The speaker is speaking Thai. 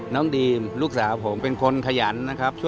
ดีมลูกสาวผมเป็นคนขยันนะครับ